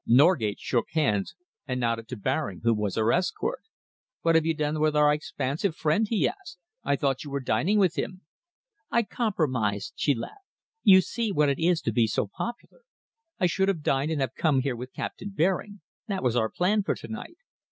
Norgate shook hands and nodded to Baring, who was her escort. "What have you done with our expansive friend?" he asked. "I thought you were dining with him." "I compromised," she laughed. "You see what it is to be so popular. I should have dined and have come here with Captain Baring that was our plan for to night.